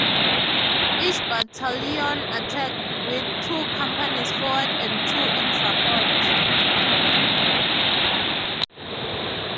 Each battalion attacked with two companies forward and two in support.